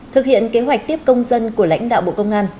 thực hiện kế hoạch tiếp công dân của lãnh đạo bộ công an